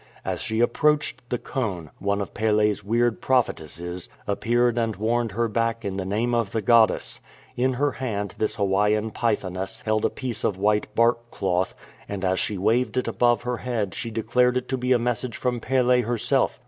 As she approached the cone, one of Pele's weird prophetesses appeared and warned her back in the name of the goddess. In her hand this Hawaiian pythoness held a piece of white bark cloth, and as she waved it above her head she declared it to be a message from Pele herself.